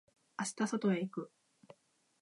明日外へ行く。